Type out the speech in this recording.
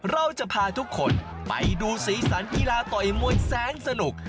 เราจะพาทุกคนไปดูสีสันกีฬาต่อยมวยแสนสนุก